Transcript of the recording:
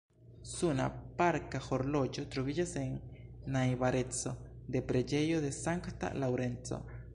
Suna parka horloĝo troviĝas en najbareco de preĝejo de sankta Laŭrenco.